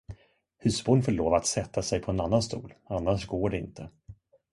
Husbond får lov att sätta sig på en annan stol, annars går det inte.